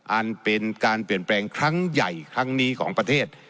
อันเป็นการเปลี่ยนแปลงครั้งใหญ่ครั้งนี้ของประเทศ